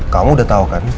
kamu udah tahu kan